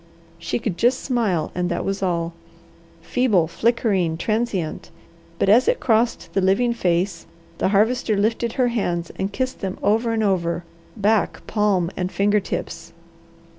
She could just smile, and that was all. Feeble, flickering, transient, but as it crossed the living face the Harvester lifted her hands and kissed them over and over, back, palm, and finger tips.